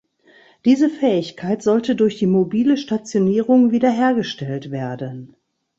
Diese Fähigkeit sollte durch die mobile Stationierung wiederhergestellt werden.